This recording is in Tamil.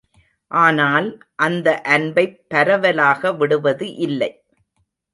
ஆனால் அந்த அன்பைப் பரவலாக விடுவது இல்லை.